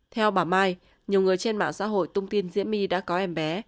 theo bà mai nhiều người trên mạng xã hội tung tin diễm my đã có em bé